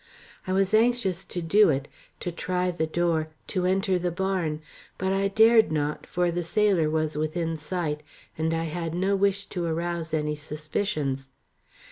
I was anxious to do it, to try the door, to enter the barn, but I dared not, for the sailor was within sight, and I had no wish to arouse any suspicions.